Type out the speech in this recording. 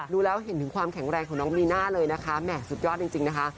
ดูแล้วเห็นถึงความแข็งแรงของน้องบีน่าเลยนะคะแหม่สุดยอดจริงนะคะ